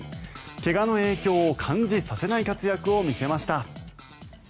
怪我の影響を感じさせない活躍を見せました。